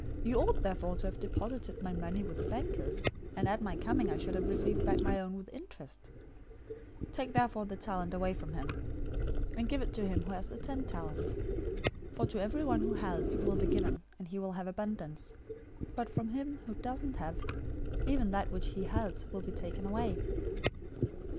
025:027 You ought therefore to have deposited my money with the bankers, and at my coming I should have received back my own with interest. 025:028 Take away therefore the talent from him, and give it to him who has the ten talents. 025:029 For to everyone who has will be given, and he will have abundance, but from him who doesn't have, even that which he has will be taken away.